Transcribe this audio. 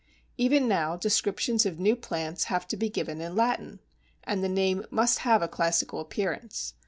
Even now descriptions of new plants have to be given in Latin, and the name must have a classical appearance.